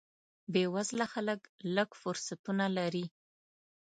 بې وزله خلک لږ فرصتونه لري.